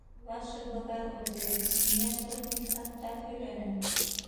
— Ваше благородие, миңә сотник Саттар һөйләне.